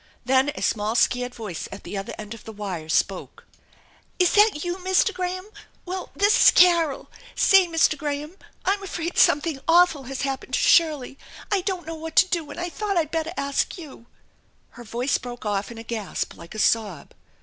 Then a small scared voice at the other end of the wire spoke: "Is that you, Mr. Graham? Well, this is Carol. Say. itr. vJraham, I'm afraid something awful has happened to THE ENCHANTED BARN 26J Shirley ! I don't know what to do, and I thought I'd bettei ask you." Her voice broke off in a gasp like a sob.